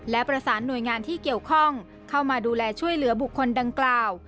และประสานหน่วยงานที่เกี่ยวข้องเข้ามาดูแลช่วยเหลือบุคคลดังกล่าว